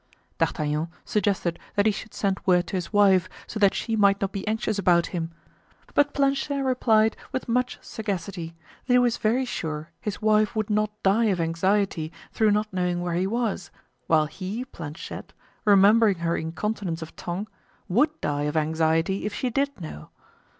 D'Artagnan suggested that he should send word to his wife, so that she might not be anxious about him, but Planchet replied with much sagacity that he was very sure his wife would not die of anxiety through not knowing where he was, while he, Planchet, remembering her incontinence of tongue, would die of anxiety if she did know.